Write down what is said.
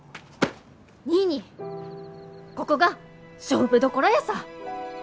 ニーニーここが勝負どころヤサ！